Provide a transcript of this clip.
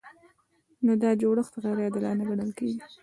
نو دا جوړښت غیر عادلانه ګڼل کیږي.